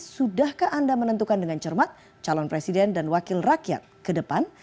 sudahkah anda menentukan dengan cermat calon presiden dan wakil rakyat ke depan